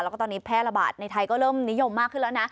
แล้วก็ตอนนี้แพร่ระบาดในไทยก็เริ่มนิยมมากขึ้นแล้วนะ